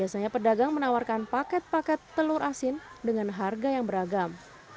biasanya pedagang menawarkan paket paket telur asin dengan harga yang beragam